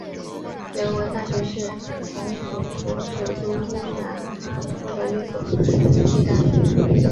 人文大学是蒙古国首都乌兰巴托的一所私立大学。